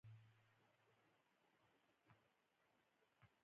په شریک ډول ایښودل شوو الکترونونو پورې اړه لري.